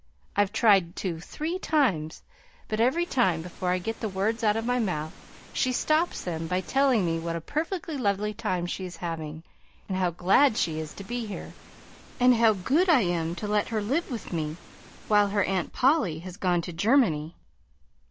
I've tried to three times, but every time, before I get the words out of my mouth, she stops them by telling me what a perfectly lovely time she is having, and how glad she is to be here, and how good I am to let her live with me while her Aunt Polly has gone to Germany.